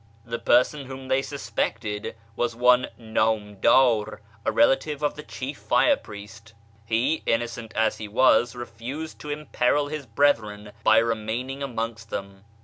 The person whom they suspected I was one ISTamdar, a relative of the chief fire priest. He, i innocent as he was, refused to imperil his brethren by remain ing amongst them.